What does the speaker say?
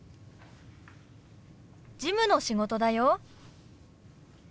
事務の仕事だよ。